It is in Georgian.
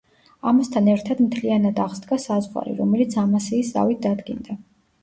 ამასთან ერთად მთლიანად აღსდგა საზღვარი, რომელიც ამასიის ზავით დადგინდა.